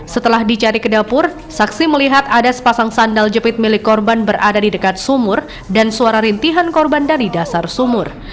setelah dicari ke dapur saksi melihat ada sepasang sandal jepit milik korban berada di dekat sumur dan suara rintihan korban dari dasar sumur